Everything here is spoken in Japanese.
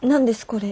これ。